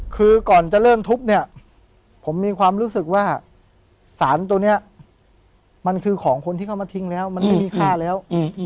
คือก่อนจะเริ่มทุบเนี่ยผมมีความรู้สึกว่าสารตัวนี้มันคือของคนที่เข้ามาทิ้งแล้วมันไม่มีค่าแล้ว